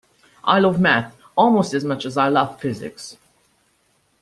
I love maths almost as much as I love physics